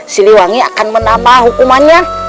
siliwangi akan menambah hukumannya